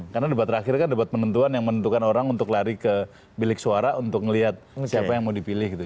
karena debat terakhir kan debat penentuan yang menentukan orang untuk lari ke bilik suara untuk melihat siapa yang mau dipilih gitu